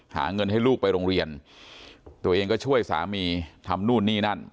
หาเงินให้ลูกไปโรงเรียนตัวเองก็ช่วยสามีทำนู่นนี่นั่น